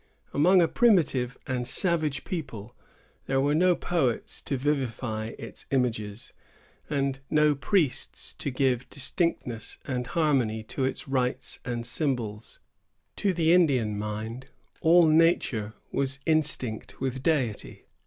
Among a primitive and savage people, there were no poets to vivify its images, and no priests to give distinctness and harmony to its rites and symbols. To the Indian mind, all nature was instinct with deity.